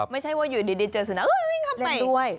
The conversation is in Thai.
ไม่ใช่ว่าอยู่ดีเจอสูนักเอ้ยเล่นด้วย